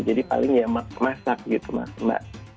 jadi paling ya masak gitu mbak